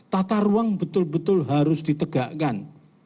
tata ruang betul betul harus ditegakkan